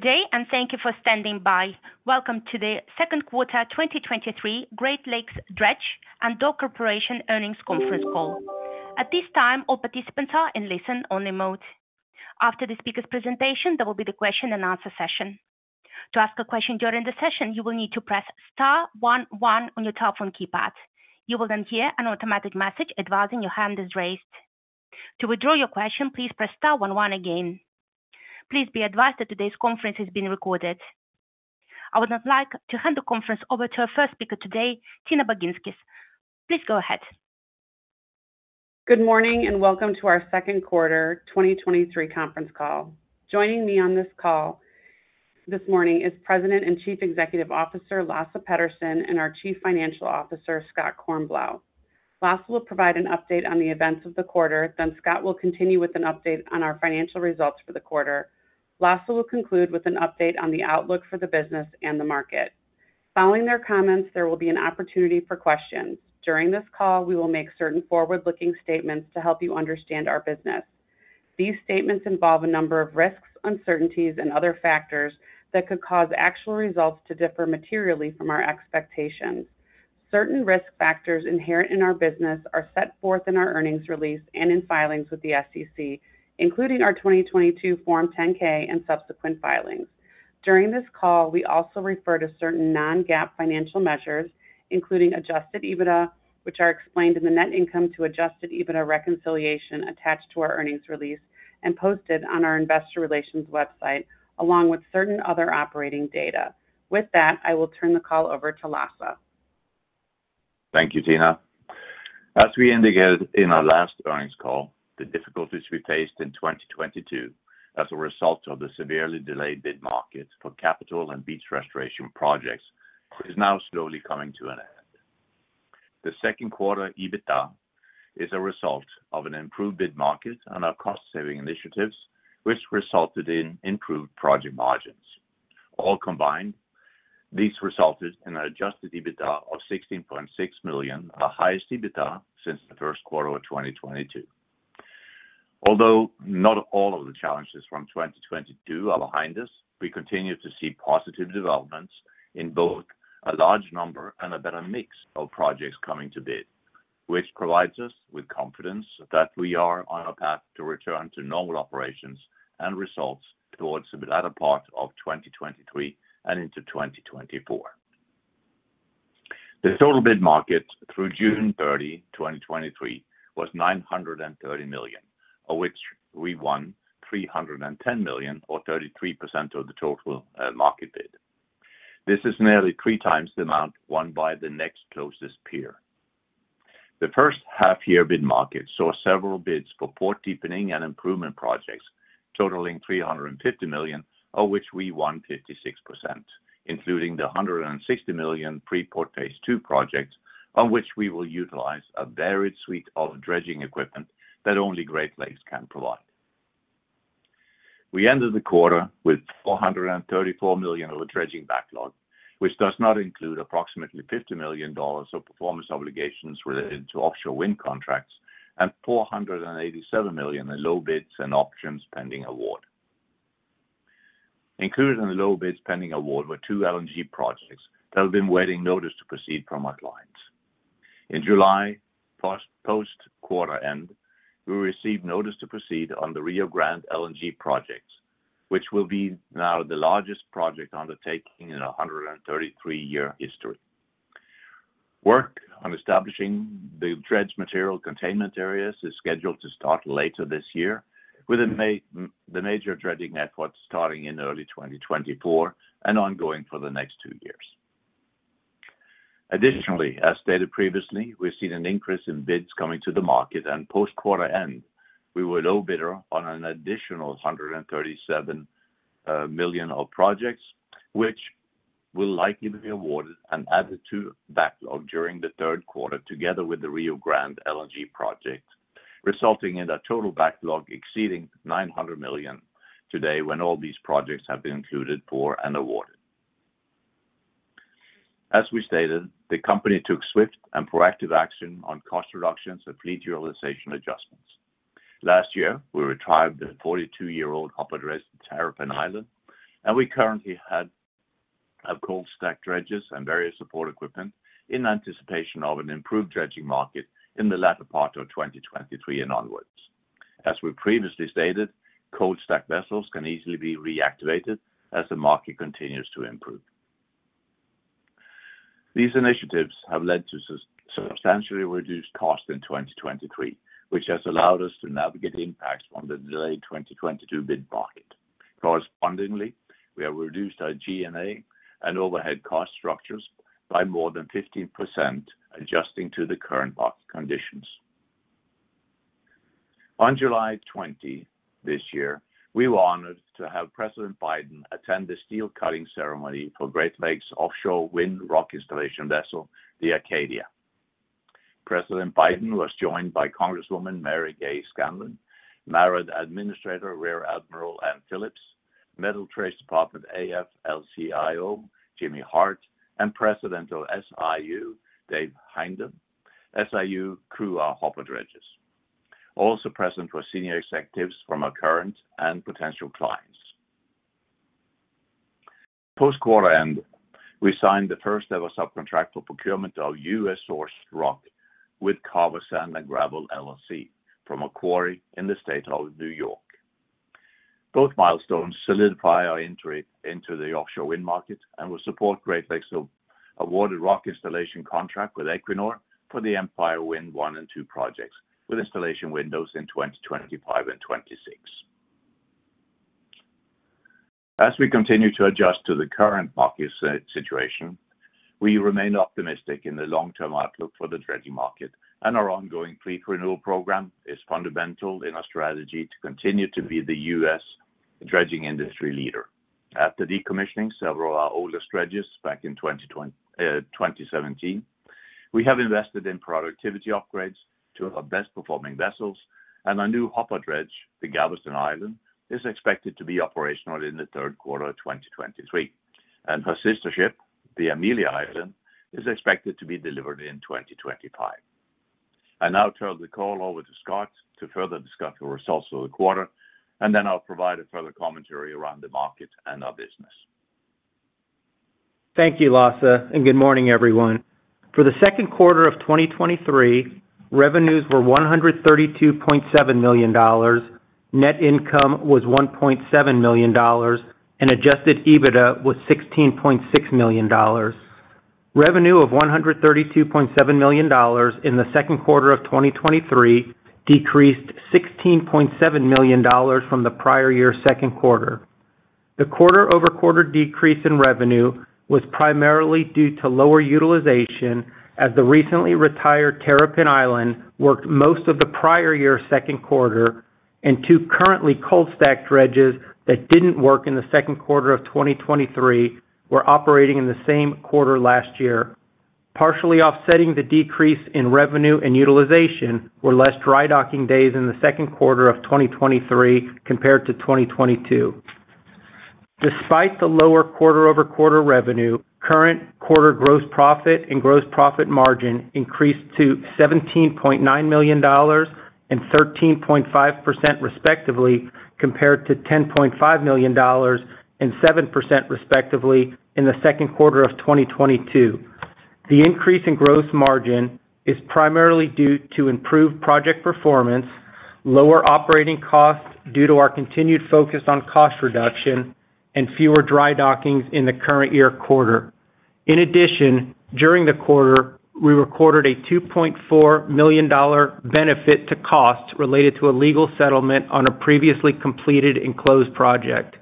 day, and thank you for standing by. Welcome to the second quarter, 2023 Great Lakes Dredge & Dock Corporation earnings conference call. At this time, all participants are in listen-only mode. After the speaker's presentation, there will be the question and answer session. To ask a question during the session, you will need to press star one one on your telephone keypad. You will then hear an automatic message advising your hand is raised. To withdraw your question, please press star one one again. Please be advised that today's conference is being recorded. I would now like to hand the conference over to our first speaker today, Tina Baginskis. Please go ahead. Good morning, and welcome to our second quarter 2023 conference call. Joining me on this call this morning is President and Chief Executive Officer, Lasse Petterson, and our Chief Financial Officer, Scott Kornblau. Lasse will provide an update on the events of the quarter, then Scott will continue with an update on our financial results for the quarter. Lasse will conclude with an update on the outlook for the business and the market. Following their comments, there will be an opportunity for questions. During this call, we will make certain forward-looking statements to help you understand our business. These statements involve a number of risks, uncertainties, and other factors that could cause actual results to differ materially from our expectations. Certain risk factors inherent in our business are set forth in our earnings release and in filings with the SEC, including our 2022 Form 10-K and subsequent filings. During this call, we also refer to certain non-GAAP financial measures, including Adjusted EBITDA, which are explained in the net income to Adjusted EBITDA reconciliation attached to our earnings release and posted on our investor relations website, along with certain other operating data. With that, I will turn the call over to Lasse. Thank you, Tina. As we indicated in our last earnings call, the difficulties we faced in 2022 as a result of the severely delayed bid market for capital and beach restoration projects, is now slowly coming to an end. The second quarter EBITDA is a result of an improved bid market and our cost-saving initiatives, which resulted in improved project margins. All combined, these resulted in an Adjusted EBITDA of $16.6 million, our highest EBITDA since the first quarter of 2022. Although not all of the challenges from 2022 are behind us, we continue to see positive developments in both a large number and a better mix of projects coming to bid, which provides us with confidence that we are on a path to return to normal operations and results towards the latter part of 2023 and into 2024. The total bid market through June 30, 2023, was $930 million, of which we won $310 million, or 33% of the total market bid. This is nearly 3 times the amount won by the next closest peer. The first half year bid market saw several bids for port deepening and improvement projects totaling $350 million, of which we won 56%, including the $160 million Freeport Phase II project, on which we will utilize a varied suite of dredging equipment that only Great Lakes can provide. We ended the quarter with $434 million of the dredging backlog, which does not include approximately $50 million of performance obligations related to offshore wind contracts and $487 million in low bids and options pending award. Included in the low bids pending award were two LNG projects that have been waiting notice to proceed from our clients. In July, post, post-quarter end, we received notice to proceed on the Rio Grande LNG projects, which will be now the largest project undertaking in a 133-year history. Work on establishing the dredged material containment areas is scheduled to start later this year, with the major dredging efforts starting in early 2024 and ongoing for the next two years. Additionally, as stated previously, we've seen an increase in bids coming to the market, and post-quarter end, we were low bidder on an additional $137 million of projects, which will likely be awarded and added to backlog during the third quarter, together with the Rio Grande LNG project, resulting in a total backlog exceeding $900 million today when all these projects have been included for and awarded. As we stated, the company took swift and proactive action on cost reductions and fleet utilization adjustments. Last year, we retired the 42-year-old hopper dredge Terrapin Island, and we currently have cold-stacked dredges and various support equipment in anticipation of an improved dredging market in the latter part of 2023 and onwards. As we previously stated, cold-stacked vessels can easily be reactivated as the market continues to improve. These initiatives have led to substantially reduced costs in 2023, which has allowed us to navigate the impacts on the delayed 2022 bid market. Correspondingly, we have reduced our G&A and overhead cost structures by more than 15%, adjusting to the current market conditions. On July 20 this year, we were honored to have President Biden attend the steel cutting ceremony for Great Lakes offshore wind rock installation vessel, the Acadia. President Biden was joined by Congresswoman Mary Gay Scanlon, MARAD Administrator Rear Admiral Ann Phillips, Metal Trades Department, AFL-CIO, James Hart, and President of SIU, David Heindel, SIU crew, our hopper dredges. Also present were senior executives from our current and potential clients. Post-quarter end, we signed the first-ever subcontractual procurement of U.S.-sourced rock with Carver Sand and Gravel, LLC, from a quarry in the State of New York. Both milestones solidify our entry into the offshore wind market and will support Great Lakes' awarded rock installation contract with Equinor for the Empire Wind One and Two projects, with installation windows in 2025 and 2026. We continue to adjust to the current market situation, we remain optimistic in the long-term outlook for the dredging market, our ongoing fleet renewal program is fundamental in our strategy to continue to be the U.S. dredging industry leader. After decommissioning several of our oldest dredges back in 2017, we have invested in productivity upgrades to our best-performing vessels, and our new hopper dredge, the Galveston Island, is expected to be operational in the third quarter of 2023, and her sister ship, the Amelia Island, is expected to be delivered in 2025. I now turn the call over to Scott to further discuss the results for the quarter, and then I'll provide a further commentary around the market and our business. Thank you, Lasse. Good morning, everyone. For the second quarter of 2023, revenues were $132.7 million, net income was $1.7 million, and Adjusted EBITDA was $16.6 million. Revenue of $132.7 million in the second quarter of 2023 decreased $16.7 million from the prior year's second quarter. The quarter-over-quarter decrease in revenue was primarily due to lower utilization, as the recently retired Terrapin Island worked most of the prior year's second quarter, and two currently cold-stacked dredges that didn't work in the second quarter of 2023 were operating in the same quarter last year. Partially offsetting the decrease in revenue and utilization were less dry-docking days in the second quarter of 2023 compared to 2022. Despite the lower quarter-over-quarter revenue, current quarter gross profit and gross profit margin increased to $17.9 million and 13.5% respectively, compared to $10.5 million and 7% respectively in the second quarter of 2022. The increase in gross margin is primarily due to improved project performance, lower operating costs due to our continued focus on cost reduction, and fewer dry-dockings in the current year quarter. In addition, during the quarter, we recorded a $2.4 million benefit to costs related to a legal settlement on a previously completed and closed project.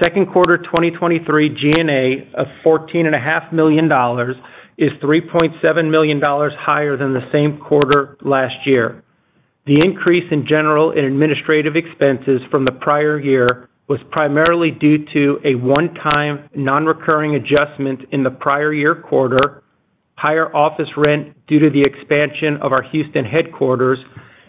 Second quarter 2023 G&A of $14.5 million is $3.7 million higher than the same quarter last year. The increase in general and administrative expenses from the prior year was primarily due to a one-time, nonrecurring adjustment in the prior year quarter, higher office rent due to the expansion of our Houston headquarters,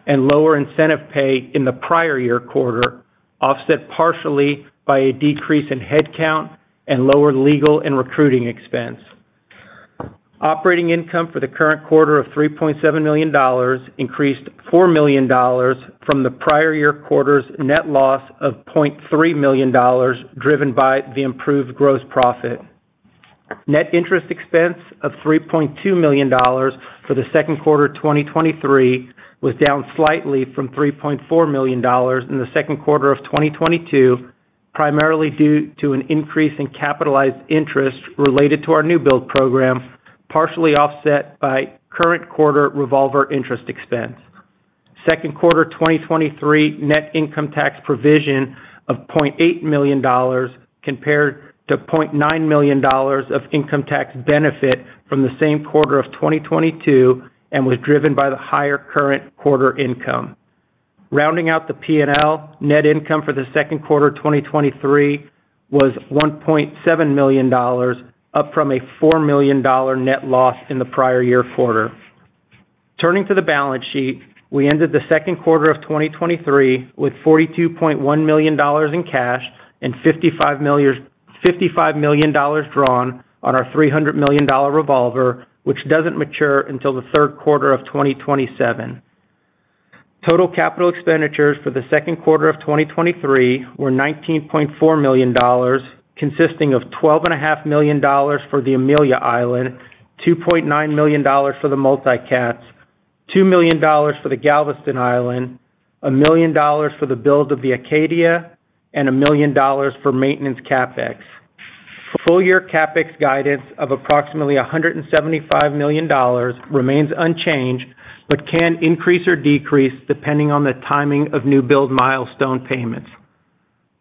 and lower incentive pay in the prior year quarter, offset partially by a decrease in headcount and lower legal and recruiting expense. Operating income for the current quarter of $3.7 million increased $4 million from the prior year quarter's net loss of $0.3 million, driven by the improved gross profit. Net interest expense of $3.2 million for the second quarter of 2023 was down slightly from $3.4 million in the second quarter of 2022, primarily due to an increase in capitalized interest related to our new build program, partially offset by current quarter revolver interest expense. Second quarter 2023 net income tax provision of $0.8 million, compared to $0.9 million of income tax benefit from the same quarter of 2022, and was driven by the higher current quarter income. Rounding out the P&L, net income for the second quarter of 2023 was $1.7 million, up from a $4 million net loss in the prior year quarter. Turning to the balance sheet, we ended the second quarter of 2023 with $42.1 million in cash and $55 million drawn on our $300 million revolver, which doesn't mature until the third quarter of 2027. Total capital expenditures for the second quarter of 2023 were $19.4 million, consisting of $12.5 million for the Amelia Island, $2.9 million for the Multi Cats, $2 million for the Galveston Island, $1 million for the build of the Acadia, and $1 million for maintenance CapEx. Full-year CapEx guidance of approximately $175 million remains unchanged, but can increase or decrease depending on the timing of new build milestone payments.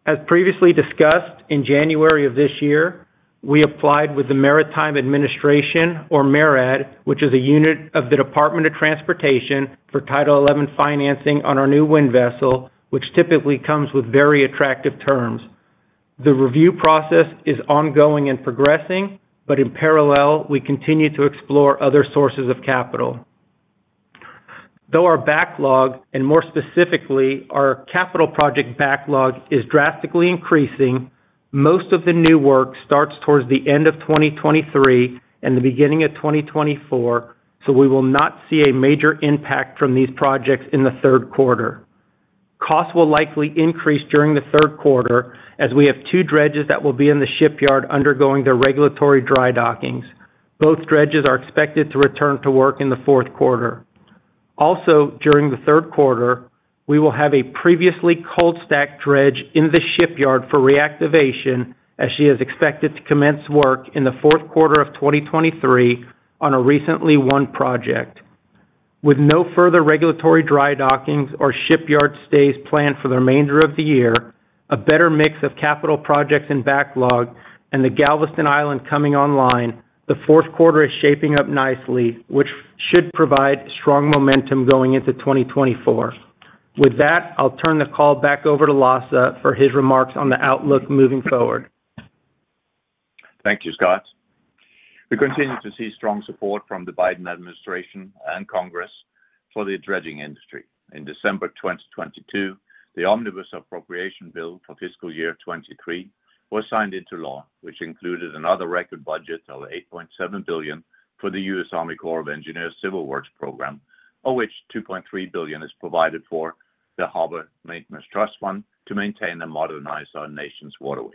As previously discussed, in January of this year, we applied with the Maritime Administration, or MARAD, which is a unit of the Department of Transportation, for Title XI financing on our new wind vessel, which typically comes with very attractive terms. The review process is ongoing and progressing, but in parallel, we continue to explore other sources of capital. Though our backlog, and more specifically, our capital project backlog, is drastically increasing. Most of the new work starts towards the end of 2023 and the beginning of 2024. We will not see a major impact from these projects in the third quarter. Costs will likely increase during the third quarter, as we have two dredges that will be in the shipyard undergoing their regulatory dry-dockings. Both dredges are expected to return to work in the fourth quarter. During the third quarter, we will have a previously cold-stacked dredge in the shipyard for reactivation, as she is expected to commence work in the fourth quarter of 2023 on a recently won project. With no further regulatory dry-dockings or shipyard stays planned for the remainder of the year, a better mix of capital projects and backlog, and the Galveston Island coming online, the fourth quarter is shaping up nicely, which should provide strong momentum going into 2024. With that, I'll turn the call back over to Lasse for his remarks on the outlook moving forward. Thank you, Scott. We continue to see strong support from the Biden administration and Congress for the dredging industry. In December 2022, the Omnibus Appropriation Bill for fiscal year 2023 was signed into law, which included another record budget of $8.7 billion for the U.S. Army Corps of Engineers Civil Works program, of which $2.3 billion is provided for the Harbor Maintenance Trust Fund to maintain and modernize our nation's waterways.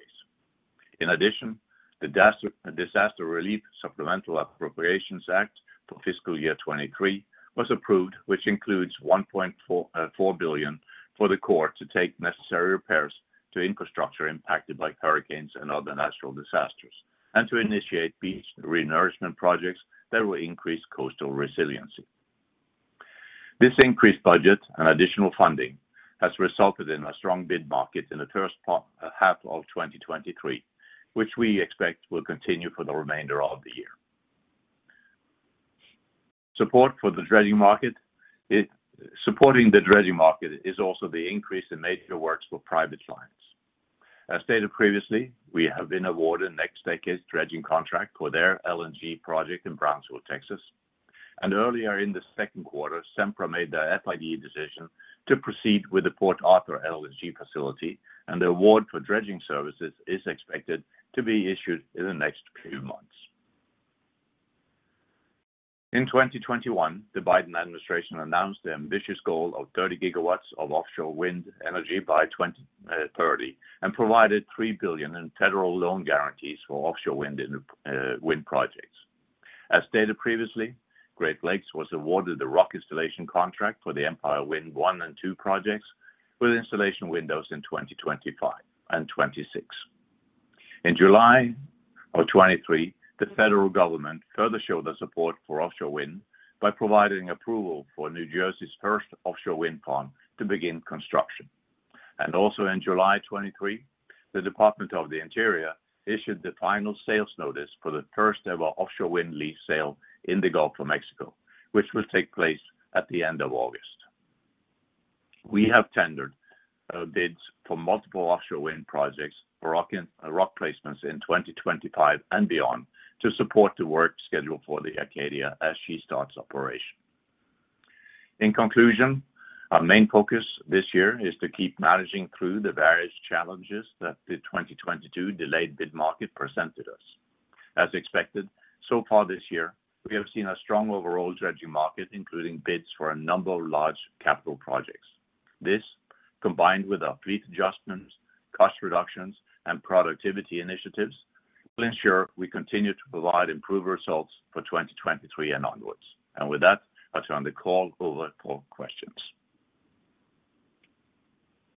In addition, the Disaster Relief Supplemental Appropriations Act for fiscal year 2023 was approved, which includes $1.4 billion for the Corps to take necessary repairs to infrastructure impacted by hurricanes and other natural disasters, and to initiate beach renourishment projects that will increase coastal resiliency. This increased budget and additional funding has resulted in a strong bid market in the first part, half of 2023, which we expect will continue for the remainder of the year. Support for the dredging market, supporting the dredging market is also the increase in major works for private clients. As stated previously, we have been awarded NextDecade's dredging contract for their LNG project in Brownsville, Texas, and earlier in the second quarter, Sempra made their FID decision to proceed with the Port Arthur LNG facility, and the award for dredging services is expected to be issued in the next few months. In 2021, the Biden administration announced the ambitious goal of 30 GW of offshore wind energy by 2030, and provided $3 billion in federal loan guarantees for offshore wind projects. As stated previously, Great Lakes was awarded the rock installation contract for the Empire Wind I and II projects, with installation windows in 2025 and 2026. In July 2023, the federal government further showed their support for offshore wind by providing approval for New Jersey's first offshore wind farm to begin construction. Also in July 2023, the Department of the Interior issued the final sales notice for the first-ever offshore wind lease sale in the Gulf of Mexico, which will take place at the end of August. We have tendered bids for multiple offshore wind projects for rock placements in 2025 and beyond to support the work schedule for the Acadia as she starts operation. In conclusion, our main focus this year is to keep managing through the various challenges that the 2022 delayed bid market presented us. As expected, so far this year, we have seen a strong overall dredging market, including bids for a number of large capital projects. This, combined with our fleet adjustments, cost reductions, and productivity initiatives, will ensure we continue to provide improved results for 2023 and onwards. With that, I'll turn the call over for questions.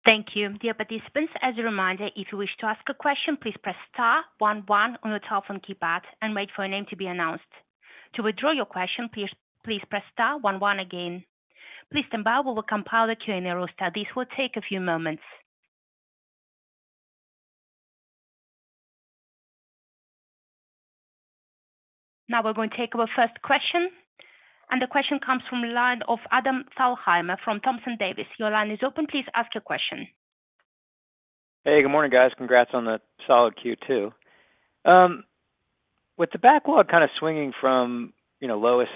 Thank you. Dear participants, as a reminder, if you wish to ask a question, please press star one one on your telephone keypad and wait for your name to be announced. To withdraw your question, please press star one one again. Please stand by, we will compile the Q&A roster. This will take a few moments. We're going to take our first question, the question comes from the line of Adam Thalhimer from Thompson Davis. Your line is open. Please ask your question. Hey, good morning, guys. Congrats on the solid Q2. With the backlog kind of swinging from, you know, lowest,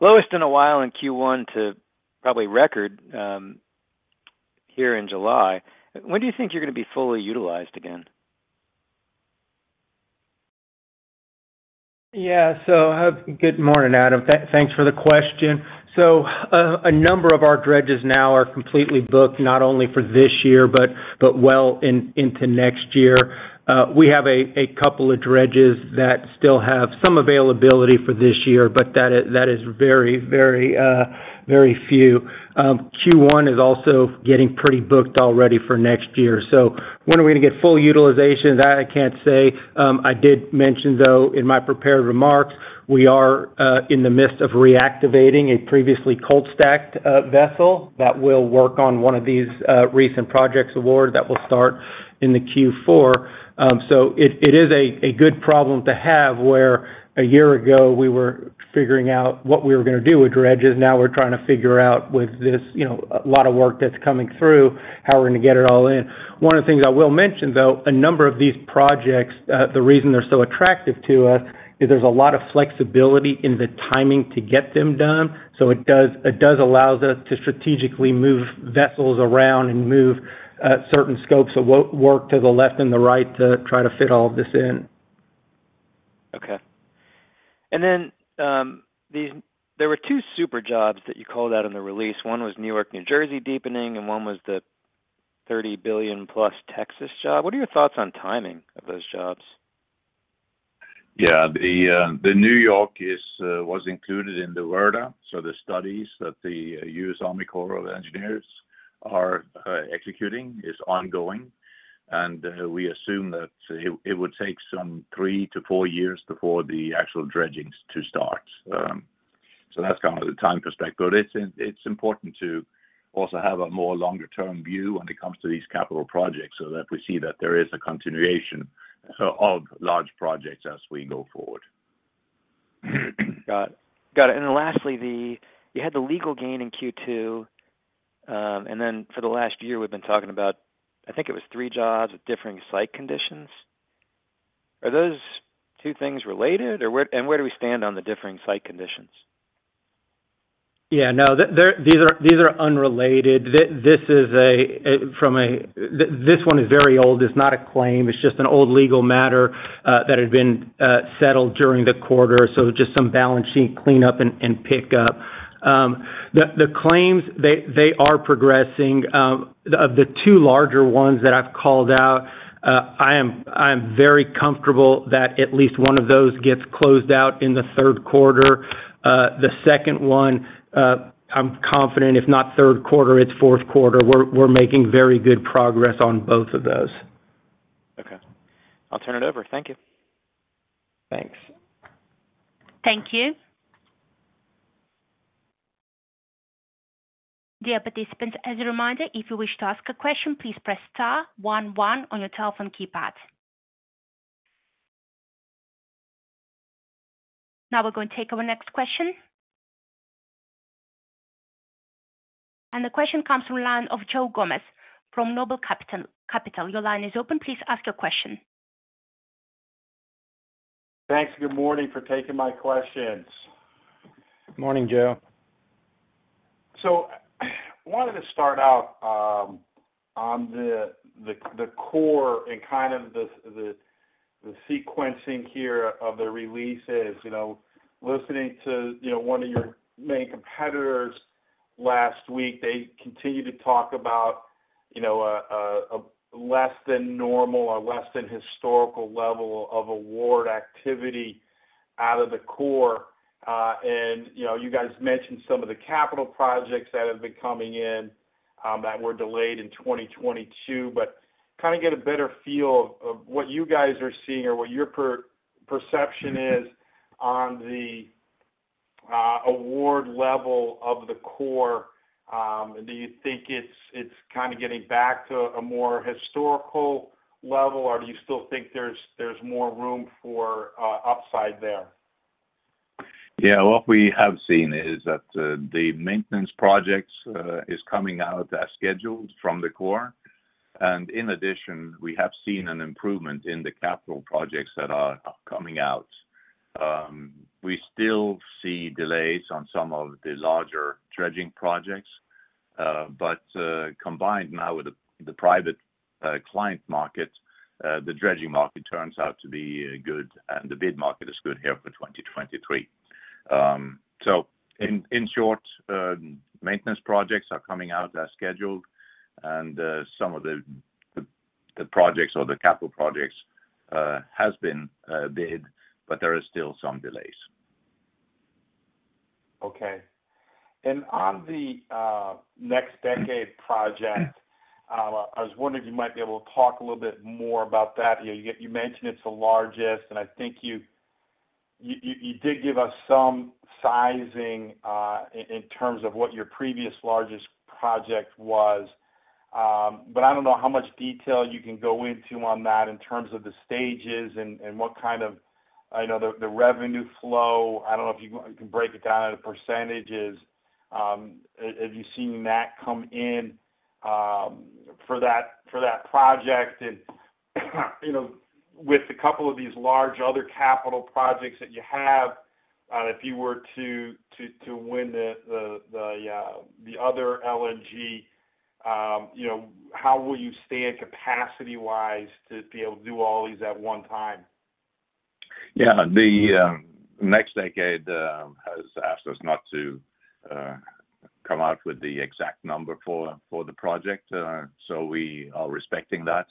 lowest in a while in Q1 to probably record, here in July, when do you think you're going to be fully utilized again? Yeah. Good morning, Adam. Thanks for the question. A number of our dredges now are completely booked, not only for this year, but well into next year. We have a couple of dredges that still have some availability for this year, but that is very, very few. Q1 is also getting pretty booked already for next year. When are we gonna get full utilization? That I can't say. I did mention, though, in my prepared remarks, we are in the midst of reactivating a previously cold-stacked vessel that will work on one of these recent projects award that will start in the Q4. It is a good problem to have, where 1 year ago we were figuring out what we were gonna do with dredges. We're trying to figure out with this, you know, a lot of work that's coming through, how we're gonna get it all in. One of the things I will mention, though, a number of these projects, the reason they're so attractive to us, is there's a lot of flexibility in the timing to get them done. It does, it does allow us to strategically move vessels around and move, certain scopes of work to the left and the right to try to fit all of this in. Okay. Then, there were 2 super jobs that you called out in the release. One was New York, New Jersey, deepening, and one was the $30 billion+ Texas job. What are your thoughts on timing of those jobs? Yeah, the, the New York is, was included in the WRDA. The studies that the U.S. Army Corps of Engineers are executing is ongoing, and, we assume that it, it would take some 3-4 years before the actual dredgings to start. That's kind of the time perspective. It's, it's important to also have a more longer-term view when it comes to these capital projects, so that we see that there is a continuation of large projects as we go forward. Got it. Got it. Lastly, the, you had the legal gain in Q2, and then for the last year, we've been talking about, I think it was three jobs with differing site conditions. Are those two things related, or and where do we stand on the differing site conditions? Yeah, no, these are, these are unrelated. This is a this one is very old. It's not a claim. It's just an old legal matter that had been settled during the quarter, so just some balance sheet cleanup and pickup. The claims, they are progressing. Of the two larger ones that I've called out, I am very comfortable that at least one of those gets closed out in the third quarter. The second one, I'm confident, if not third quarter, it's fourth quarter. We're making very good progress on both of those. Okay. I'll turn it over. Thank you. Thanks. Thank you. Dear participants, as a reminder, if you wish to ask a question, please press star one one on your telephone keypad. Now, we're going to take our next question. The question comes from line of Joe Gomes, from Noble Capital. Your line is open. Please ask your question. Thanks. Good morning for taking my questions. Morning, Joe. Wanted to start out on the core and kind of the sequencing here of the releases. You know, listening to, you know, one of your main competitors last week, they continued to talk about, you know, a less than normal or less than historical level of award activity out of the core. You know, you guys mentioned some of the capital projects that have been coming in that were delayed in 2022. Kind of get a better feel of what you guys are seeing or what your perception is on the award level of the core. Do you think it's kind of getting back to a more historical level, or do you still think there's more room for upside there? Yeah. What we have seen is that, the maintenance projects, is coming out as scheduled from the Corps. In addition, we have seen an improvement in the capital projects that are coming out. We still see delays on some of the larger dredging projects, but combined now with the private client market, the dredging market turns out to be good, and the bid market is good here for 2023. In short, maintenance projects are coming out as scheduled, and some of the projects or the capital projects, has been bid, but there are still some delays. Okay. On the NextDecade project, I was wondering if you might be able to talk a little bit more about that. You, you mentioned it's the largest, and I think you, you, you, you did give us some sizing, in, in terms of what your previous largest project was. I don't know how much detail you can go into on that in terms of the stages and, and what kind of, I know, the, the revenue flow. I don't know if you can break it down into percentages. Have you seen that come in, for that, for that project? You know, with a couple of these large other capital projects that you have, if you were to, to, to win the, the, the, the other LNG, you know, how will you stand capacity-wise to be able to do all these at one time? Yeah. The NextDecade has asked us not to come out with the exact number for the project. We are respecting that.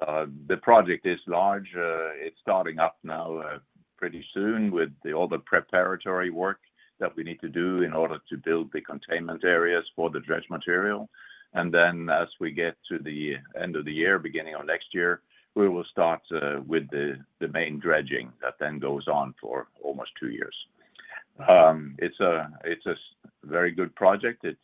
The project is large. It's starting up now pretty soon with the all the preparatory work that we need to do in order to build the containment areas for the dredged material. Then as we get to the end of the year, beginning of next year, we will start with the main dredging that then goes on for almost two years. It's a very good project. It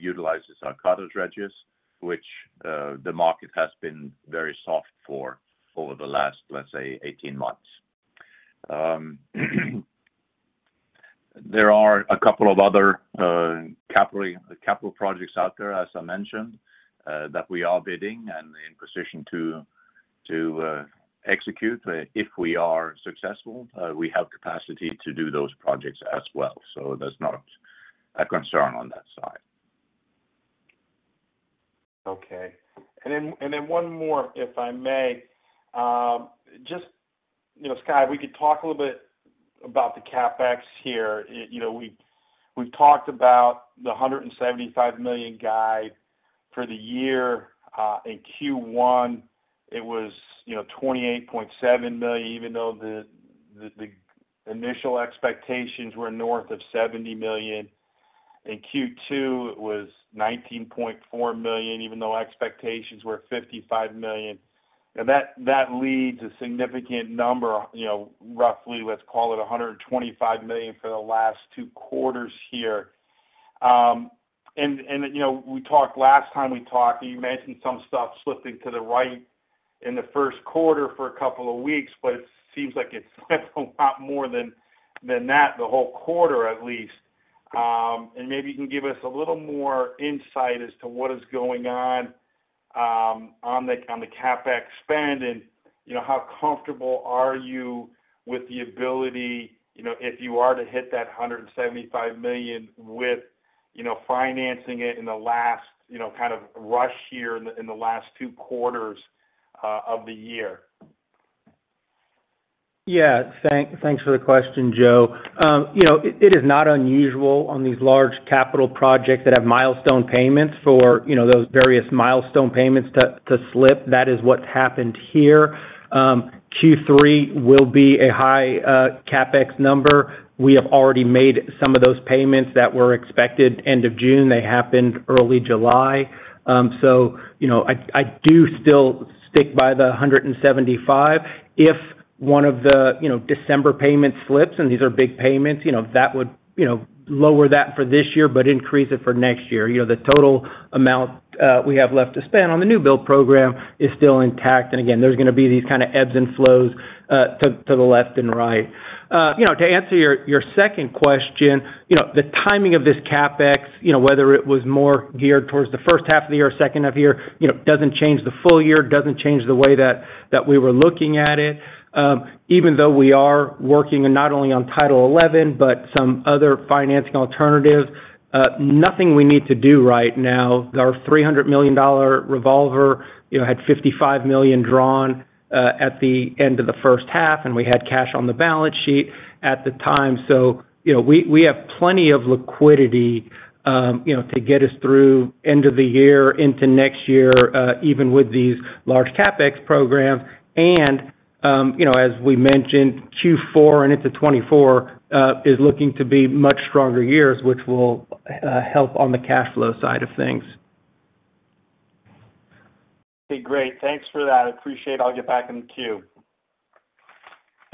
utilizes our cutter dredges, which the market has been very soft for over the last, let's say, 18 months. There are a couple of other capital projects out there, as I mentioned, that we are bidding and in position to execute. If we are successful, we have capacity to do those projects as well. There's not a concern on that side. Okay. Then, one more, if I may. Just, you know, Scott, we could talk a little bit about the CapEx here. You know, we, we've talked about the $175 million guide for the year. In Q1, it was, you know, $28.7 million, even though the, the, the initial expectations were north of $70 million. In Q2, it was $19.4 million, even though expectations were $55 million. Now, that, that leaves a significant number, you know, roughly, let's call it $125 million for the last two quarters here. And, you know, we talked last time we talked, you mentioned some stuff slipping to the right in the first quarter for a couple of weeks, but it seems like it's slipped a lot more than, than that, the whole quarter, at least. Maybe you can give us a little more insight as to what is going on, on the, on the CapEx spend, and, you know, how comfortable are you with the ability, you know, if you are to hit that $175 million with, you know, financing it in the last, you know, kind of rush here in the, in the last two quarters, of the year? Yeah. Thank, thanks for the question, Joe. You know, it, it is not unusual on these large capital projects that have milestone payments for, you know, those various milestone payments to, to slip. That is what happened here. Q3 will be a high CapEx number. We have already made some of those payments that were expected end of June. They happened early July. You know, I, I do still stick by the $175. If one of the, you know, December payments slips, these are big payments, you know, that would, you know, lower that for this year, but increase it for next year. You know, the total amount we have left to spend on the new build program is still intact. Again, there's gonna be these kind of ebbs and flows to, to the left and right. You know, to answer your, your second question, you know, the timing of this CapEx, you know, whether it was more geared towards the first half of the year or second half of the year, you know, doesn't change the full year, doesn't change the way that, that we were looking at it. Even though we are working not only on Title XI, but some other financing alternatives, nothing we need to do right now. Our $300 million revolver, you know, had $55 million drawn at the end of the first half, and we had cash on the balance sheet at the time. You know, we, we have plenty of liquidity, you know, to get us through end of the year into next year, even with these large CapEx programs. You know, as we mentioned, Q4 and into 2024 is looking to be much stronger years, which will help on the cash flow side of things. Okay, great. Thanks for that. I appreciate. I'll get back in the queue.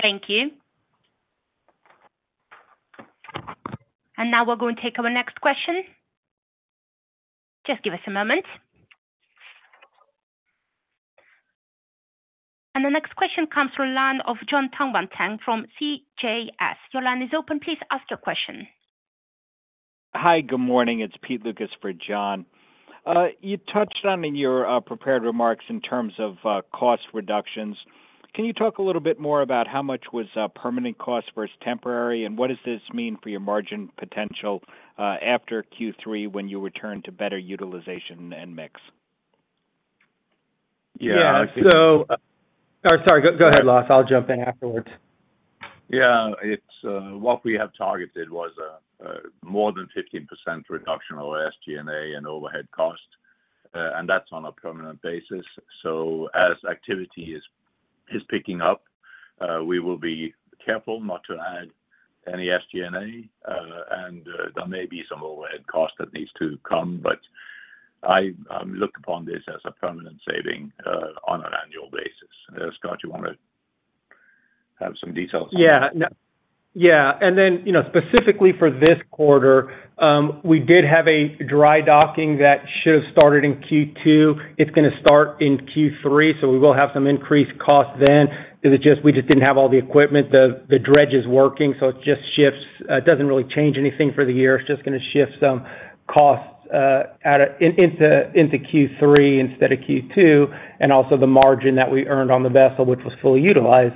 Thank you. Now we'll go and take our next question. Just give us a moment. The next question comes from the line of Jon Tanwanteng from CJS. Your line is open. Please ask your question. Hi, good morning. It's Pete Lukas for Jon. You touched on in your prepared remarks in terms of cost reductions. Can you talk a little bit more about how much was permanent cost versus temporary, and what does this mean for your margin potential after Q3, when you return to better utilization and mix? Yeah, so- Yeah, so... Sorry. Go, go ahead, Lasse. I'll jump in afterwards. Yeah, it's, what we have targeted was, more than 15% reduction of SG&A and overhead costs, and that's on a permanent basis. As activity is, is picking up, we will be careful not to add any SG&A, and, there may be some overhead cost that needs to come, but I, look upon this as a permanent saving, on an annual basis. Scott, you want to add some details? Yeah. No, yeah. Then, you know, specifically for this quarter, we did have a dry docking that should have started in Q2. It's gonna start in Q3, so we will have some increased costs then. It was just, we just didn't have all the equipment. The dredge is working, so it just shifts. It doesn't really change anything for the year. It's just gonna shift some costs into, into Q3 instead of Q2, and also the margin that we earned on the vessel, which was fully utilized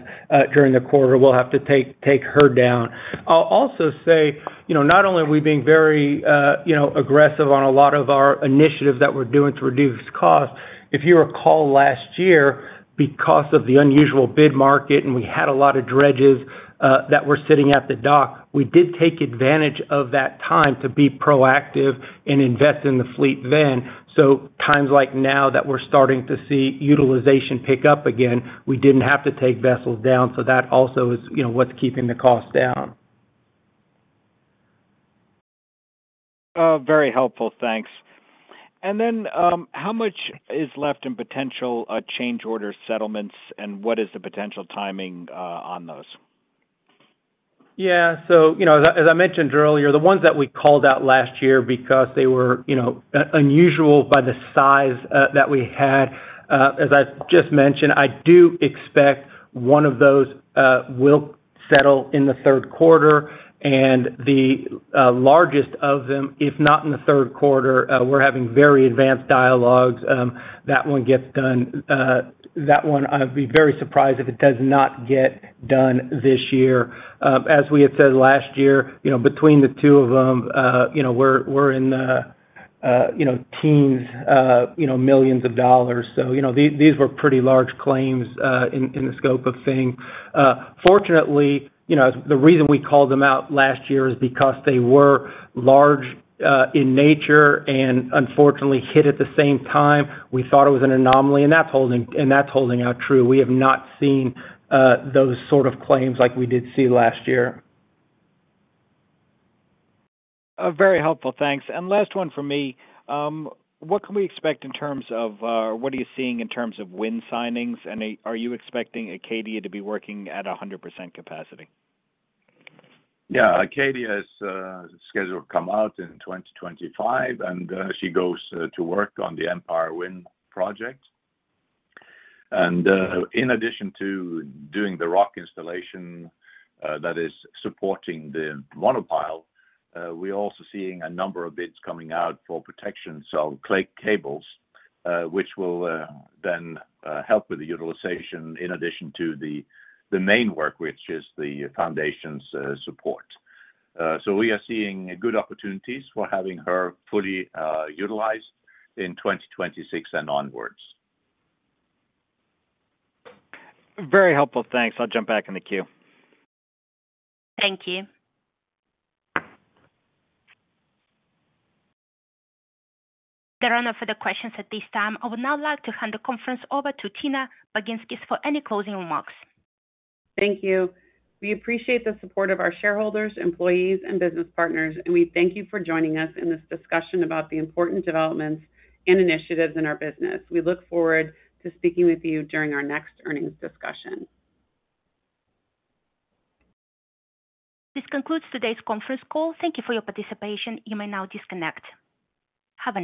during the quarter. We'll have to take her down. I'll also say, you know, not only are we being very, you know, aggressive on a lot of our initiatives that we're doing to reduce cost, if you recall last year, because of the unusual bid market, and we had a lot of dredges, that were sitting at the dock, we did take advantage of that time to be proactive and invest in the fleet then. So times like now, that we're starting to see utilization pick up again, we didn't have to take vessels down, so that also is, you know, what's keeping the costs down. Very helpful. Thanks. How much is left in potential change order settlements, and what is the potential timing on those? Yeah, so, you know, as I, as I mentioned earlier, the ones that we called out last year because they were, you know, unusual by the size that we had, as I've just mentioned, I do expect one of those will settle in the third quarter. The largest of them, if not in the third quarter, we're having very advanced dialogues, that one gets done, that one, I'd be very surprised if it does not get done this year. As we had said last year, you know, between the two of them, you know, we're, we're in, you know, teens, you know, $ millions. You know, these, these were pretty large claims, in, in the scope of things. Fortunately, you know, the reason we called them out last year is because they were large, in nature and unfortunately hit at the same time. We thought it was an anomaly, and that's holding, and that's holding out true. We have not seen, those sort of claims like we did see last year. Very helpful. Thanks. Last one for me. What can we expect in terms of what are you seeing in terms of wind signings? Are you expecting Acadia to be working at 100% capacity? Yeah, Acadia is scheduled to come out in 2025. She goes to work on the Empire Wind project. In addition to doing the rock installation that is supporting the monopile, we're also seeing a number of bids coming out for protection, so clay cables, which will then help with the utilization in addition to the main work, which is the foundation's support. We are seeing good opportunities for having her fully utilized in 2026 and onwards. Very helpful, thanks. I'll jump back in the queue. Thank you. There are no further questions at this time. I would now like to hand the conference over to Tina Baginskis for any closing remarks. Thank you. We appreciate the support of our shareholders, employees, and business partners, and we thank you for joining us in this discussion about the important developments and initiatives in our business. We look forward to speaking with you during our next earnings discussion. This concludes today's conference call. Thank you for your participation. You may now disconnect. Have a nice day.